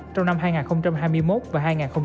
trong năm hai nghìn hai mươi một và hai nghìn hai mươi năm